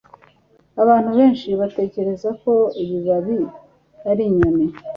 Abantu benshi batekereza ko ibibabi ari inyoni